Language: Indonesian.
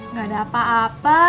gak ada apa apa